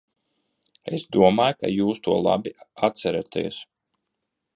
Es domāju, ka jūs to labi atceraties.